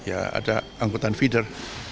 ada anggota feeder